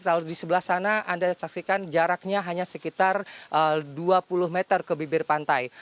kalau di sebelah sana anda saksikan jaraknya hanya sekitar dua puluh meter ke bibir pantai